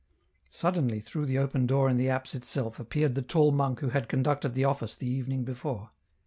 Suddenly through the open door in the apse itseli appeared the tall monk who had conducted the office the evening before.